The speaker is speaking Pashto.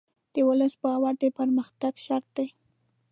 د ولس باور د پرمختګ شرط دی.